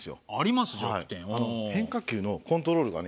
変化球のコントロールがね